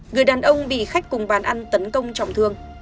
người đàn ông bị khách cùng bàn ăn tấn công trọng thương